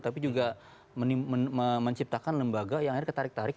tapi juga menciptakan lembaga yang akhirnya ketarik tarik